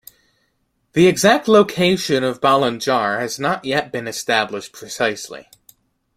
The exact location of Balanjar has not yet been established precisely.